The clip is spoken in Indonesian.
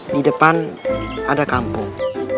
di depan ada kampung